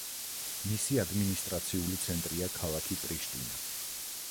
მისი ადმინისტრაციული ცენტრია ქალაქი პრიშტინა.